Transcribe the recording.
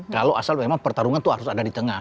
kalau asal memang pertarungan itu harus ada di tengah